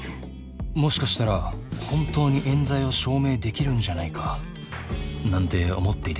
もしかしたら本当にえん罪を証明できるんじゃないかなんて思っていた